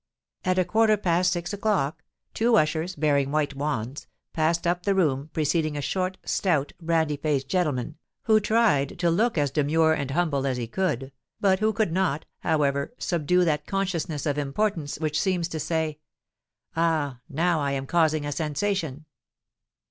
At a quarter past six o'clock, two ushers, bearing white wands, passed up the room, preceding a short, stout, brandy faced gentleman, who tried to look as demure and humble as he could, but who could not, however, subdue that consciousness of importance which seems to say, "Ah! now I am causing a sensation!"